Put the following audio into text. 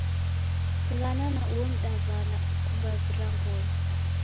Sighana na uo mdaw'ana ukuvavira ngolo